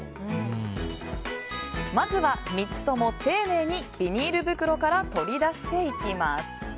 まずは３つとも丁寧にビニール袋から取り出していきます。